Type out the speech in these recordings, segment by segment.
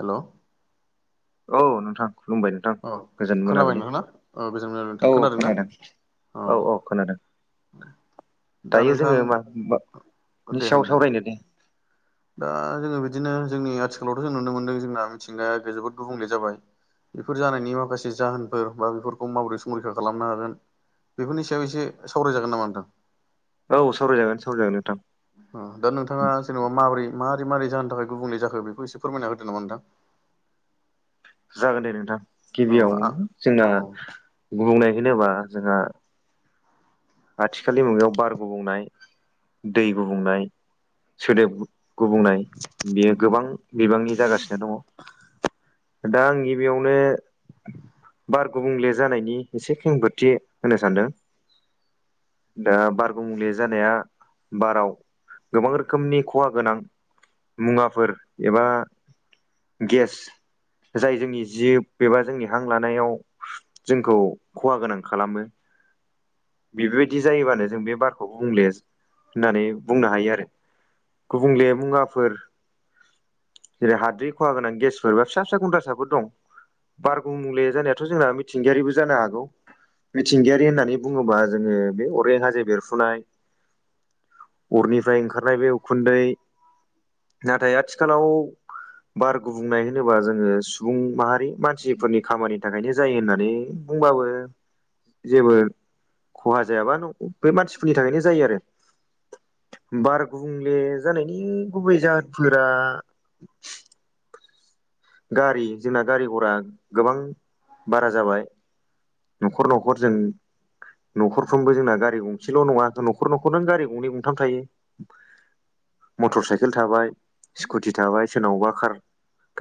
हेल' औ नोंथां खुलुमबाय नोंथां गोजोन खोनाबाय मोनाबलि नोंथांना औ गोजोन मोनाबिलि नोंथां औ ना खोनादों। अ औ औ खोनादों। दा दायो नोंथां जोङो मानि दे होन सायाव सावरायनो दे? दा जोङो बिदिनो जोंनि आथिखालावथ' जों नुनो मोनदों जोंना मिथिंगाया जोबोद गुबुंले जाबाय। बेफोर जानायनि माखासे जाहोनफोर बा बेफोरखौ माबोरै संरैखा खालामनो हागोन। बेफोरनि सायाव एसे सावरायजागोन नामा नोंथां? औ सावरायजागोन सावरायजागोन नोंथां। दा नोंथाङा जेनेबा माबोरै माबोरै मारै जानो थाखाय गुबुंले जाखो बेखौ एसे फोरमायना होदों नामा नोंथां? जागोन दे नोंथां अ गिबियाव आ जोंना औ बुंनाय होनोबा जोंहा आथिखालनि मुगायाव बार गुबुंनाय दै गुबुंनाय सोदोब गुबुंनाय बेयो गोबां बिबांनि जागासिनो दङ। दा आं गिबियावनो बार गुबुंले जानायनि एसे खेंफोरथि होनो सानदों। दा बार गुबुंले जानाया बाराव गोबां रोखोमनि खहा गोनां। मुवाफोर एबा गेस जाय जोंनि जिब एबा जोंनि हां लानायाव जोंखौ खहा गोनां खालामो। बेफोरबायदि जायोबानो जों बे बारखौ बुंले होननानै बुंनो हायो आरो। गुबुंले मुवाफोर जेरै हाद्रि खहा गोनां गेसफोर फिसा फिसा गुनद्रा साफोर दं। बार गुबुंले जानायाथ' जोंना मिथिंगायारिबो जानो हागौ मिथिंगायारि होननानै बुङोबा जोङो बे अरगें हाजो बेरफुनाय। अरनिफ्राय ओंखारनाय बे उखुन्दै नाथाय आथिखालाव बार गुबुंनाय होनोबा जोङो सुबुं माहारि मानसिफोरनि खामानि थाखायनो जायो होननानै बुंबाबो जेबो खहा जायाबा बे मानसिफोरनि थाखायनो जायो आरो। बार गुबुंले जानायनि गुबै जाहोनफोरा गारि जोंना गारि घरा गोबां बारा जाबाय। न'खर न'खर जों न'खरफ्रोमबो जोंना गारि गंसेल' नङा न'खर न'खर नों गारि गंनै गंथाम थायो। मटर साइकेल थाबाय स्कुटि थाबाय सोरनावबा कार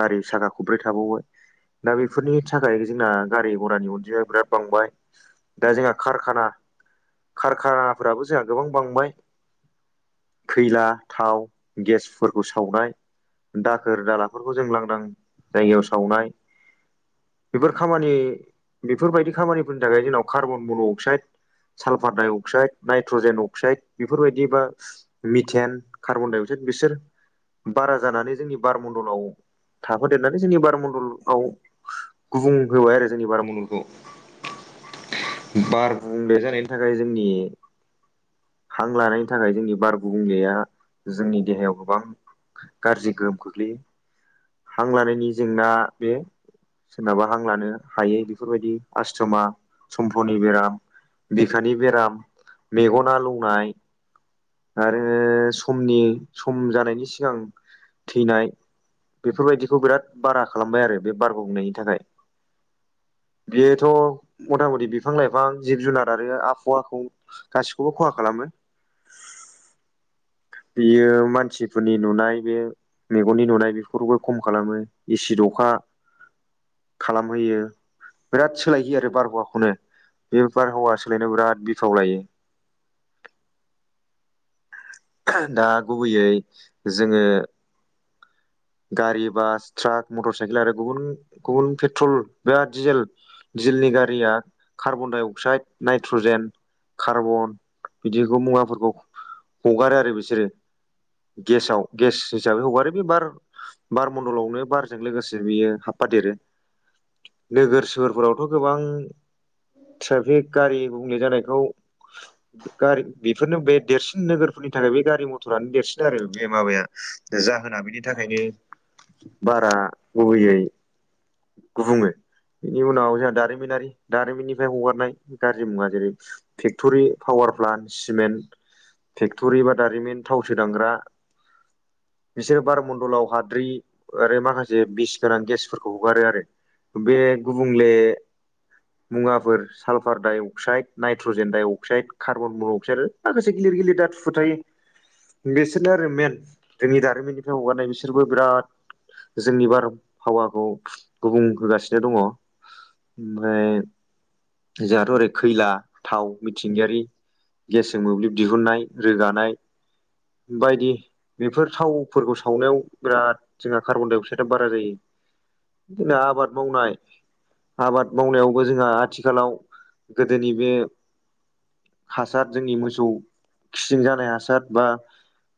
गारि साखा गंब्रै थाबावो। दा बेफोरनि थाखाय जोंना गारि घरानि अनजिाया बिराद बांबाय। दा जोंहा कारखाना कारखानाफोराबो जोंहा गोबां बांबाय। खैला थाव गेसफोरखौ सावनाय दाखोर दालाफोरखौ जों लांदां जायगायाव सावनाय बेफोर खामानि बेफोरबायदि खामानिफोरनि थाखाय जोंनाव carbon monoxide sulphur dioxide nitrogen oxide बेफोरबायदि बा मिथान कार्बन डाइ अक्साइद बिसोर बारा जानानै जोंनि बार मण्डलाव थाफादेरनानै जोंनि बार मन्डलाव गुबुं होबाय आरो जोंनि बार मन्दलखौ बार गुबुंले जानायनि थाखाय जोंनि हां लानायनि थाखाय जोंनि बार गुबुंलेया जोंनि देहायाव गोबां गाज्रि गोहोम खोख्लैयो हां लानायनि जेंना बेयो सोरनाबा हां लानो हायै बेफोरबायदि आसस्थमा सम्पनि बेराम बिखानि बेराम मेगन आलौनाय आरो समनि सम जानायनि सिगां थैनाय बेफोरबायदिखौ बिराद बारा खालामबाय आरो बे बार‌ गुबुंनायनि थाखाय बेयोथ' मथा मथि बिफां लाइफां जिब जुनार आरो आबहावाखौ गासिखौबो खहा खालामो बेयो मानसिफोरनि नुनाय बे मेगननि नुनाय बेफोरखौ खम खालामो एसिड अखा खालामहोयो बिराद सोलायहोयो आरो बारहावाखौनो बे बारहावा सोलायनायाव बिराद बिफाव लायो दा गुबैयै जोङो गारि बास ट्राक मटर साइकेल आरो गुबुन गुबुन पेट्रल बा‌ दिडिजेल जेलनि गारिया कार्बनडाइ अक्साइद नाइट्रजेन कार्बन बिदिखौ मुवाफोरखौ हगारो आरो बिसोरो गेसाव गेस हिसाबै हगारो बे बार बार मण्डलावनो बारजों लोगोसे बियो हाबफादेरो नोगोर सोहोरफोरावथ' गोबां ट्राफिक गारि गुबुंले जानायखौ [inaudible] गारि बेफोरनो बे देरसिन नोगोरफोरनि थाखाय बे गारि मथरानो देरसिन आरो बे माबाया जाहोना बेनि थाखायनो बारा गुबैयै गुबुङो बेनि उनाव जोंहा दारिमिनारि दारिमिननिफ्राय हगारनाय गाज्रि मुवा जेरै factory power plant cement factory बा दारिमिन थाव सोदांग्रा बिसोरो बार मन दलाव हाद्रि आरो माखासे बिस गोनां गेसफोरखौ हगारो आरो बे गुबुंले मुवाफोर sulphur dioxide nitrogen dioxide carbon monoxide माखासे गिलिर गिलिर धातुफोर थायो बिसोरनो आरो मेन जोंनि दारिमिननिफ्राय हगारनाय बिसोर बिसोरबो बिराद जोंनि बारहावाखौ गुबुं होगासिनो दङ ओमफ्राय जोंहाथ' ओरै खैला थाव मिथिंगायारि गेसजों मोब्लिब दिहुननाय रोगानाय बायदि बेफोर थावफोरखौ सावनायाव बिराद जोंहा कार्बनडाइ अक्साइदा बारा जायो बिदिनो आबाद मावनाय आबाद मावनायावबो जोंहा आथिखालाव गोदोनि बे हासार जोंनि मोसौ खिजों जानाय हासार बा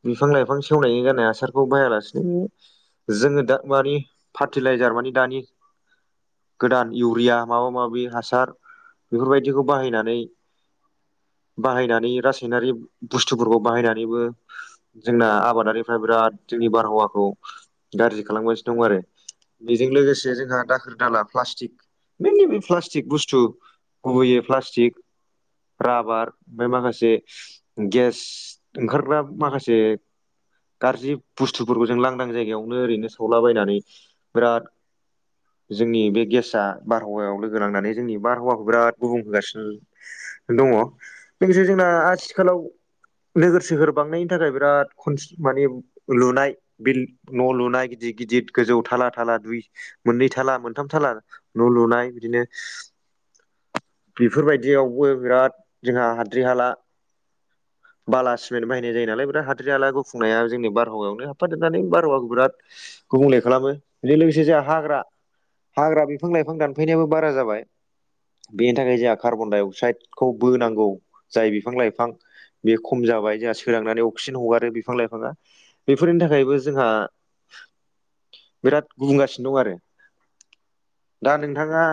बिफां लाइफां सेवनायनि गारनाय हासारखौ बाहायालासेनो जोङो दा मानि फार्टिलाइजार मानि दानि गोदान इउरिया माबा माबि हासार बेफोरबायदिखौ बाहायनानै बाहायनानै रासायनारि बुस्थुफोरखौ बाहायनानैबो जोंना आबादारिफोरा बिराद जोंनि बारहावाखौ गाज्रि खालामगासिनो दं आरो बेजों लोगोसे जोंहा दाखोर दाला प्लास्टिक मइेनलि बे प्लास्टिक बुस्थु गुबैयै प्लास्टिक राबार ओमफ्राय माखासे गेस ओंखारग्रा माखासे गाज्रि बुस्थु फोरखौ लांदां जायगायावनो ओरैनो सावलाबायनानै बिराद जोंनि बे गेस बारहावायाव लोगो नांनानै जोंनि बारहावाखौ बिराद गुबुं होगासिनो दङ लोगोसे जोंना आथिखालाव नोगोर सोहोर बांनायनि थाखाय बिराद खन मानि लुनाय बिल न' लुनाय गिदिर गिदिर गोजौ थाला थाला दुइ मोननै थाला मोनथाम थाला न' लुनाय बिदिनो बेफोरबायदियावबो बिराद जोंहा हाद्रि हाला बाला सिमेन्ट बाहायनाय जायो नालाय बिराद हाद्रि आला गुफुंनाया जोंनि बारहावायावनो हाबफादेरनानै बारहावाखौ बिराद गुबुंले खालामो बेजों लोगोसे जोंहा हाग्रा हाग्रा बिफां लाइफां दानफायनायाबो बारा जाबाय बेनि थाखाय जोंहा कार्बन डाइ अक्साइडखौ बोनांगौ जाय बिफां लाइफां बे खम जाबाय जोंहा सोरांनानै अक्सिजेन हगारो बिफां लाइफाङा बेफोरनि थाखायबो जोंहा बिराद गुबुंगासिनो दं आरो दा नोंथाङा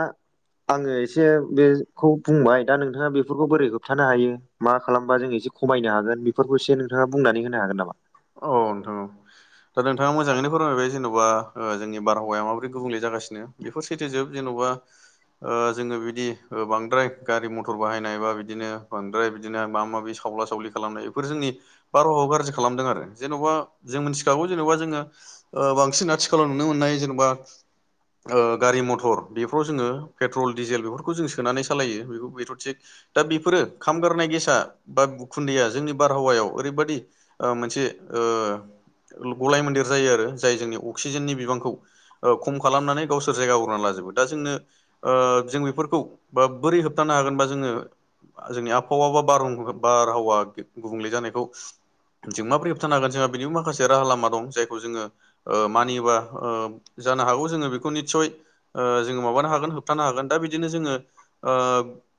आङो एसे बेखौ बुंबाय दा नोंथाङा बेफोरखौ बोरै होबथानो हायो मा खालामबा जों एसे खमायनो हागोन बेफोरखौ एसे नोंथाङा बुंनानै होनो हागोन नामा औ नोंथां दा नोंथाङा मोजाङैनो फोरमायबाय जेन'बा जोंनि बारहावाया माबोरै गुबुंले जागासिनो बेफोर सैथो जोब ‌जेन'बा जोङो बिदि बांद्राय गारि मथर बाहायनाय बा बिदिनो बांद्राय बिदिनो माबा माबि सावला सावलि खालामनाय बेफोर जोंनि बारहावायाव गाज्रि खालामदों आरो जेन'बा जों मिथिखागौ जेनेबा जोङो बांसिन आथिखालाव नुनो मोननाय जेनेबा गारि मथर बेफोराव जोङो पेट्रल डिजेल बेफोरखौ जों सोनानै सालायो बेखौ बेथ' थिग दा बेफोरो खामगारनाय गेसा बा उखुन्दैया जोंनि बारहावायाव ओरैबायदि मोनसे गलाय मोन्देर जायो आरो जाय जोंनि अक्सिजेननि बिबांखौ खम खालामनानै गावसोर जायगा आवग्रिना लाजोबो दा जोंनो जों बेफोरखौ बा बोरै होबथानो हागोनबा जोङो जोंनि आबहावा बा बारह बारहावा गुबुंले जानायखौ जों माबोरै होबथानो हागोन जोंहा बेनि माखा राहा लामा दं जायखौ जोङो मानिबा जानो हागौ जोङो बेखौ निस्सय जोङो माबानो हागोन होबथानो हागोन दा बिदिनो जोङो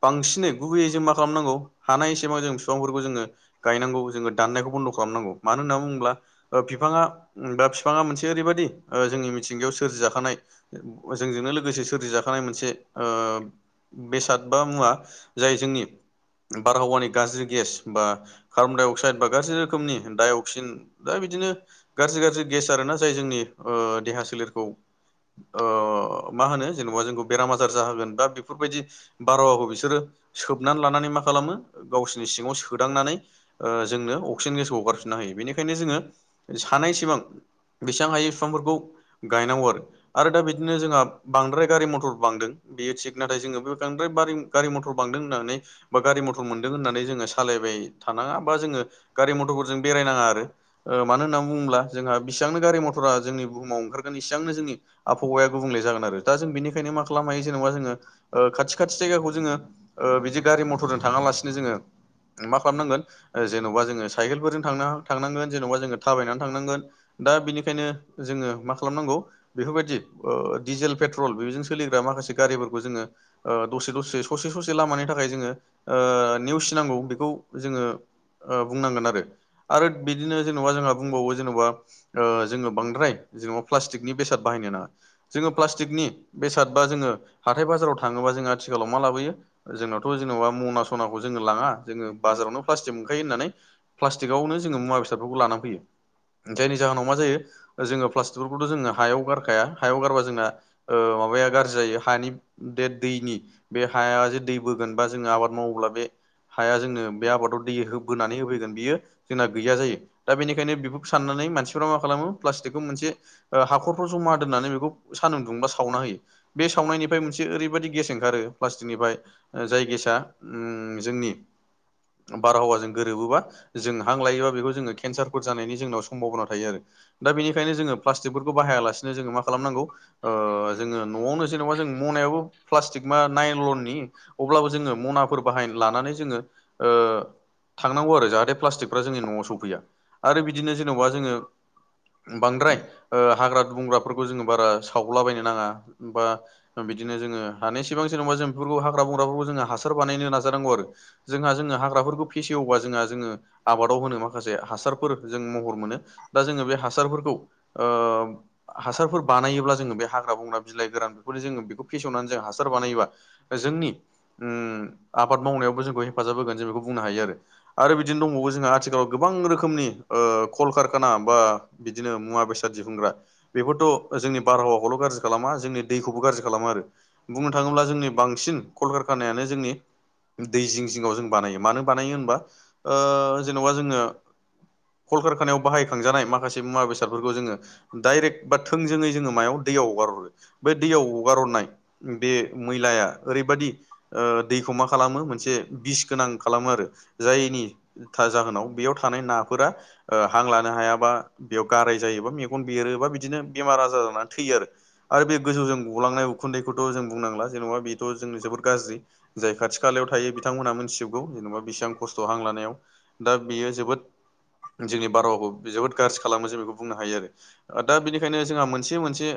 बांसिनै गुबैयै जों मा खालामनांगौ हानाय एसेबां जों बिफांफोरखौ जोङो गायनांगौ जोङो दाननायखौ बन्द' खालामनांगौ मानो होनना बुङोब्ला बिफाङा बा बिफाङा मोनसे ओरैबायदि जोंनि मिथिंगायाव सोरजिजाखानाय जोंजोंनो लोगोसे सोरजिजाखानाय मोनसे बेसाद बा मुवा जाय जोंनि बारहावानि गाज्रि गेस बा कार्बनडाइ अक्साइड बा गाज्रि रोखोमनि दायअक्सिन दा बिदिनो गाज्रि गाज्रि गेस आरोना जाय जोंनि देहा सोलेरखौ मा होनो जेनेबा जोंखौ बेराम आजार जाहोगोन बा बेफोरबायदि बार'हाखौ बिसोरो सोबनानै लानानै मा खालामो गावसोरनि सिङाव सोदांनानै जोंनो अक्सिजेन गेसखौ हगारफिनना हायो बेनिखायनो जोङो सानै सिमां बेसेबां हायै बिफांफोरखौ गायनांगौ आरो आरो दा बिदिनो जोंहा बांद्राय गारि मथर बांदों बेयो थिग नाथाय जोङो बे बांद्राय गारि मथर बांदों होननानै बा गारि मथर मोनदों होननानै जोङो सालायबाय थानाङा बा जोङो गारि मथरफोरजों बेरायनाङा आरो मानो होनना बुङोब्ला जोंहा बेसेबांनो गारि मथरा जोंनि बुहुमाव ओंखारगोन इसिबांनो जोंनि आबहावाया गुबुंले जागोन आरो दा जों बेनिखायनो मा खालामनो हायो जेनेबा जोङो ओ खाथि खाथि जायगाखौ जोङो ओ बिदि गारि मथरजों थाङा लासिनो जोङो मा खालामनांगोन जेन'बा जोङो साइकेलफोरजों थांनांगोन जेनेबा जोङो थाबायनानै थांनांगोन दा बिनिखायनो जोङो मा खालामनांगौ? बेफोरबायदि ओ डिजेल पेट्रल बेजों सोलिग्रा माखासे गारिफोरखौ जोङो ओ दसे दसे ससे ससे लामानि थाखाय जोङो ओ नेवसिनांगौ बेखौ जोङो ओ बुंनांगोन आरो आरो बिदिनो जेनेबा जोंहा बुंबावो जेनेबा ओ जोङो बांद्राय जेनेबा प्लास्टिकनि बेसाद बाहायनो नाङा। जोङो प्लास्टिकनि बेसाद बा जोङो हाथाय बाजाराव थाङोबा जोङो आथिखालाव मा लाबोयो? जोंनावथ' जेन'बा मना सनाखौ जोङो लाङा जोङो बाजारावनो प्लास्टिक मोनखायो होननानै। स्ट्रिकआवनो जोङो मुवा बेसादफोरखौ लाना फैयो जायनि जाहोनाव मा जायो‌? ओ जोङो प्लास्टिकफोरखौथ' जोङो हायाव गारखाया हायाव गारबा जोंना ओ माबाया गाज्रि जायो हानि दे दैनि बे हाया जे दै बोगोन बा जोङो आबाद मावोब्ला बे हाया जोंनो बे आबादाव दै बोनानै होफैगोन बियो जोंना गैया जायो दा बेनिखायनो बेफोरखौ साननानै मानसिफ्रा मा खालामो प्लास्टिकखौ मोनसे ओ हाखरफ्राव जमा दोननानै बेखौ सानदुं दुंबा सावना होयो। बे सावनायनिफ्राय मोनसे ओरैबायाददि गेस ओंखारो प्लास्टिकनिफ्राय जाय गेसा जोंनि बारहावाजों गोरोबोबा जों हां लायोबा बेखौ जोङो केन्सारफोर जानायनि जोंनाव सम्भना थायो आरो। दा बेनिखायनो जोङो प्लास्टिकफोरखौ बाहायालासिनो जोङो मा खालामनांगौ? ओ जोङो न'आवनो जेनेबा जों मनायाबो प्लास्टिक मा नायलननि अब्लाबो जोङो मनाफोर बाहाय लानानै जोङो ओ थांनांगौ आरो जाहाथे प्लास्टिकफ्रा जोङो न'आव सौफैया आरो बिदिनो जेनेबा जोङो बांद्राय ओ हाग्रा दुंग्राफोरखौ जोङो बारा सावलाबायनो नाङा बा बिदिनो जोङो हानायेसेबां जेनांबा जों बेफोरखौ हाग्रा बंग्राफोरखौ जोङो हासार बानायनो नाजानांगौ आरो। जोंहा जोङो हाग्राफोरखौ फेसेवबा जोंहा जोङो आबादाव होनो माखासे हासारफोर जों महर मोनो दा जोङो बे हासारफोरखौ ओ हासारफोर बानायोब्ला जोङो बे हाग्रा बंग्रा बिलाइ गोरान बेफोर जोङो बेखौ फेसेवनानै जों हासार बानायोबा जोंनि उम आबाद मावनायावबो जोंखौ हेफाजाब होगोन जों बेखौ बुंनो हायो आरो बिदिनो दंबावो जोंहा आथिखालाव गोबां रोखोमनि ओ कलकारखाना बा बिदिनो मुवा बेसाद दिहुनग्रा बेफोरथ' जोंनि बारहावाखौल' गाज्रि खालामा जोंनि दैखौबो गाज्रि खालामो आरो। बुंनो थाङोब्ला जोंनि बांसिन कलकारखानायानो जोंनि दै जिं जिङाव जों बानायो मानो बानायो होनबा जेन'बा जोङो कलकारखानायाव बाहायखांजानाय माखासे मुवा बेसादफोरखौ जोङो डाइरेक्ट बा थोंजोङै जोङो मायाव दैयाव हगार हरो बे दैयाव हगार हरनाय बे मैलाया ओरैबायाददि ओ दैखौ मा खालामो मोनसे बिस गोनां खालामो आरो जायनि जाहोनाव बेयाव थानाय नाफोरा ओ हां लानो हायाबा बेयाव गाराय जायोबा मेगन बेरोबा बिदिनो बेमार आजार जानानै थैयो आरो। आरो बे गोजौजों गलांनाय उखुन्दैखौथ' जों बुंनांला जेन'बा बेथ' जों जोबोद गाज्रि। जाय खाथि खालायाव थायो बिथांमोनहा मिथिजोबगौ जेनेबा बेसेबां खस्थ' हां लानायाव। दा बेयो जोबोद जोंनि बारहावाखौ जोबोद गाज्रि खालामो जों बेखौ बुंनो हायो आरो। दा बेनिखायनो जोंहा मोनसे मोनसे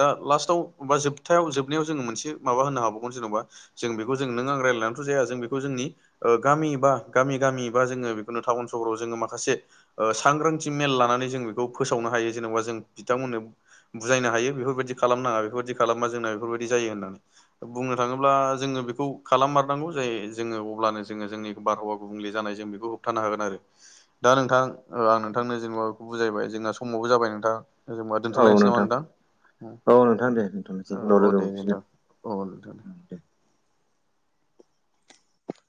दा ओ लास्टाव बा जोबथायाव जोबनायाव जोङो मोनसे माबा होनो हाबावगोन जेनेबा जों बेखौ जों नों आं रायजलायनानैथ' जाया जों बेखौ जोंनि गामि बा गामि गामि बा जोङो बेखुन टाउन सहराव जोङो माखासे सांग्रांथि मेल लानानै जों बेखौ फोसावनो हायो जेनेबा जों बिथांमोननो बुजायनो हायो बेफोरबायदि खालामनाङा बेफोरबायदि खालामबा जोंना बेफोरबायदि जायो होननानै। बुंनो थाङोब्ला जोङो बेखौ खालाममारनांगौ जे जोङो अब्लानो जोङो जोंनि बारहावा गुबुंले जानाय जों बेखौ होबथानो हागोन आरो दा नोंथां आं नोंथांनो जेनेबा बेखौ बुजायबाय जोंना समावबो जाबाय नोंथां जों होनबा दोनथ'लायनोसै नामा नोंथां औ नोंथां दे दोनथ'नोसै उनाव औ लोगो दे नोंथां औ नोंथां। मोनफिनगोन